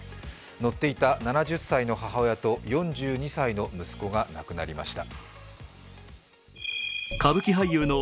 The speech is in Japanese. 乗っていた７０歳の母親と４２歳の息子が亡くなりました。